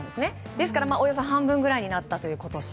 ですから、およそ半分くらいになった今年。